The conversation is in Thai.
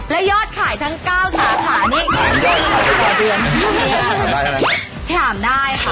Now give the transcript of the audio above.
แล้วยอดขายทั้งเก้าสาขานี่ขายดีมากขายได้ต่อเดือนถามได้ค่ะ